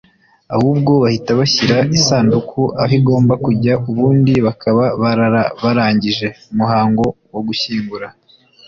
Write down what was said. ahubwo bahita bashyira isanduku aho igomba kujya ubundi bakaba barangije umuhango wo gushyingura